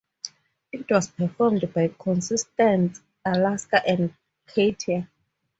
It was performed by contestants Alaska and Katya.